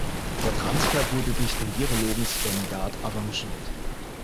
Der Transfer wurde durch den Virologen Sven Gard arrangiert.